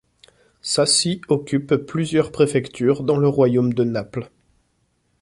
Sassi occupe plusieurs préfectures dans le royaume de Naples.